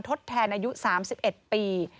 ทดแทนอายุ๓๑ปี